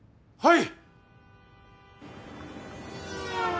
はい。